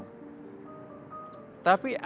tapi ada yang berpikir